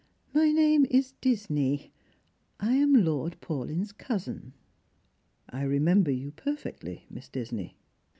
My name is Disney. I am Lord Paulyn's cousin." " I remember you perfectly, Miss Disney."